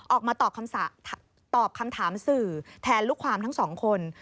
ออกมาตอบคำถามสื่อแทนลูกความทั้งสองคน